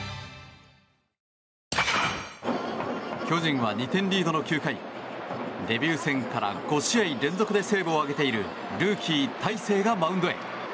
巨人は２点リードの９回デビュー戦から５試合連続でセーブを挙げているルーキー大勢がマウンドへ。